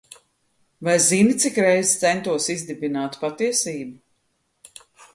Vai zini, cik reizes, centos izdibināt patiesību?